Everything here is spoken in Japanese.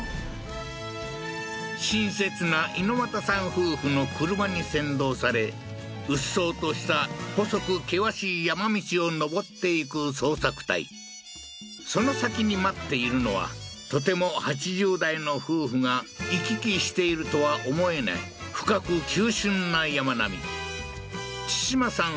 夫婦の車に先導されうっそうとした細く険しい山道を上っていく捜索隊その先に待っているのはとても８０代の夫婦が行き来しているとは思えない深く急しゅんな山並みチシマさん